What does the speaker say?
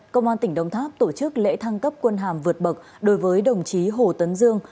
công an tỉnh đồng tháp tổ chức lễ thăng cấp quân hàm vượt bậc đối với đồng chí hồ tấn dương